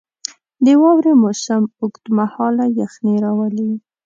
• د واورې موسم اوږد مهاله یخني راولي.